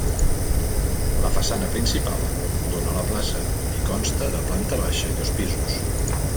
La façana principal dóna a la plaça, i consta de planta baixa i dos pisos.